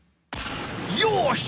よし！